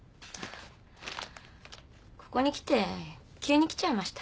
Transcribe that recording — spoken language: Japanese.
ここにきて急にきちゃいました。